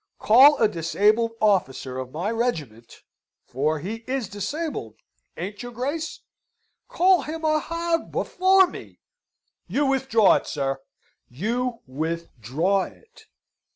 Call a disabled officer of my regiment for he is disabled, ain't you, Grace? call him a hog before me! You withdraw it, sir you withdraw it?"